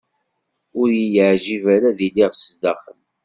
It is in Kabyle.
Ur y-iεǧib ara ad iliɣ sdaxel.